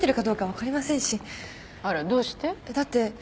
あらどうして？だって。